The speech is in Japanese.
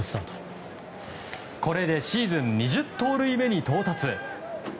これでシーズン２０盗塁目に到達。